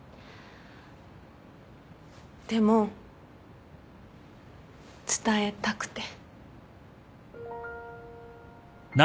でも伝えたくて。